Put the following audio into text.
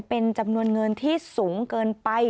เป็นจำนวนเงินที่สูงเกินไป